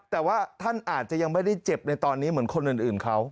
แต่ว่าท่านอาจจะยังไม่ได้เจ็บในตอนนี้เหมือนคนอื่นเขา